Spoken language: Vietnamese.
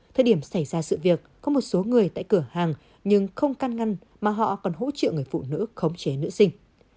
thời điểm xảy ra sự việc có một số người tại cửa hàng nhưng không can ngăn mà họ còn hỗ trợ người phụ nữ khống chế nữ sinh